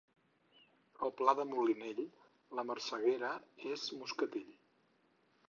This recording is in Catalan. Al pla del Molinell la marseguera és moscatell.